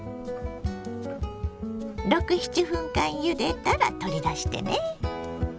６７分間ゆでたら取り出してね。